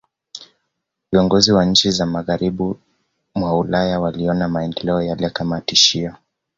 Viongozi wa nchi za Magharibi mwa Ulaya waliona maendeleo yale kama tishio